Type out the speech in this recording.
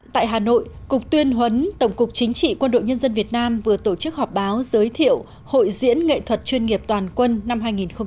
tại hà nội cục tuyên huấn tổng cục chính trị quân đội nhân dân việt nam vừa tổ chức họp báo giới thiệu hội diễn nghệ thuật chuyên nghiệp toàn quân năm hai nghìn một mươi chín